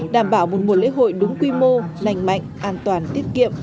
đảm bảo một mùa lễ hội đúng quy mô lành mạnh an toàn tiết kiệm